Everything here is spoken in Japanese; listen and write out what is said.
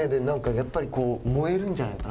やっぱり燃えるんじゃないかな